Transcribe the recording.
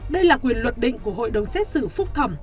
đây là quyền luật định của hội đồng xét xử phúc thẩm